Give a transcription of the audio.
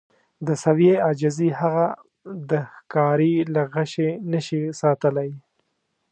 د سویې عاجزي هغه د ښکاري له غشي نه شي ساتلی.